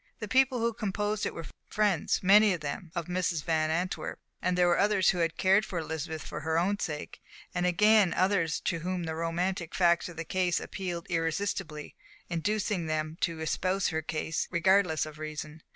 The people who composed it were friends, many of them, of Mrs. Van Antwerp, and there were others who had cared for Elizabeth for her own sake, and again others to whom the romantic facts of the case appealed irresistibly, inducing them to espouse her cause regardless of reason.